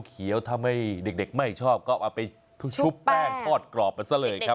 เขียวทำให้เด็กไม่ชอบก็เอาไปชุบแป้งทอดกรอบมันซะเลยครับ